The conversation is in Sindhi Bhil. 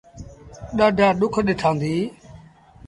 ڏآڍآ ڏُک ڏٺآنديٚ۔